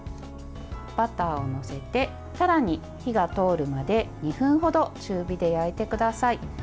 バターを載せてたらに火が通るまで２分程、中火で焼いてください。